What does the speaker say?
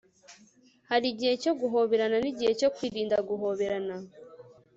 hari igihe cyo guhoberana n'igihe cyo kwirinda guhoberana